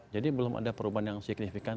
jadi belum ada perubahan yang signifikan